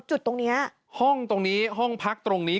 จุดตรงนี้ห้องตรงนี้ห้องพักตรงนี้